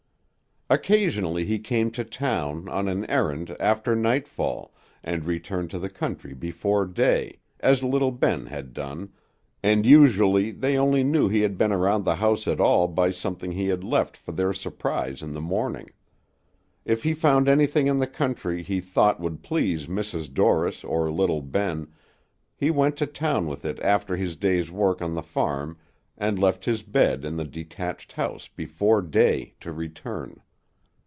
Occasionally he came to town, on an errand, after nightfall, and returned to the country before day, as little Ben had done, and usually they only knew he had been around the house at all by something he had left for their surprise in the morning. If he found anything in the country he thought would please Mrs. Dorris or little Ben, he went to town with it after his day's work on the farm, and left his bed in the detached house before day to return.